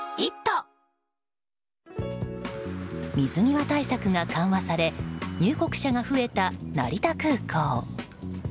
水際対策が緩和され入国者が増えた成田空港。